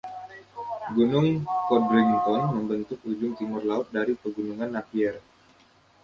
Gunung Codrington membentuk ujung timur laut dari Pegunungan Napier.